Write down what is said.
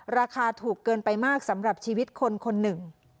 ราคาถูกเกินไปมากสำหรับชีวิตคนคนหนึ่ง